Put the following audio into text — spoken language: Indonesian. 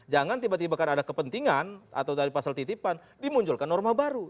jangan tiba tiba kan ada kepentingan atau dari pasal titipan dimunculkan norma baru